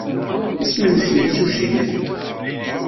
Isem-nnes yimsujji-nnek?